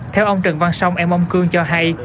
theo ông trần văn song em mông cương cho hay